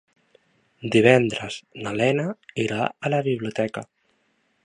Divendres na Lena irà a la biblioteca.